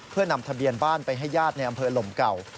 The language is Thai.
เพื่อนำทะเบียนบ้านไปให้ญาติในอำเภอลมเก่า